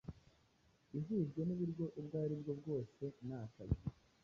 ihujwe muburyo ubwo aribwo bwose nakazi